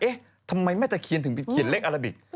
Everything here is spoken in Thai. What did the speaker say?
ทำไมแม่ตะเคียนถึงไปเขียนเลขอาราบิก